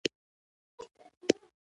له عدمه دې وجود دهسې ورکړ په پښتو ژبه.